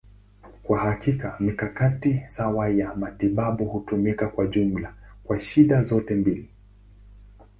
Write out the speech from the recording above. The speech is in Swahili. Kwa hakika, mikakati sawa ya matibabu hutumika kwa jumla kwa shida zote mbili.